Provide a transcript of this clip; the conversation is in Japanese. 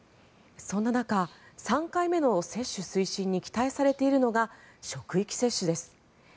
そんな中、３回目の接種推進に期待されているのが職域接種です。